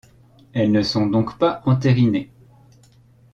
Elles ne sont donc pas entérinées.